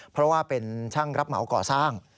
เพราะว่าเป็นช่างรับเหมาก่อสร้าง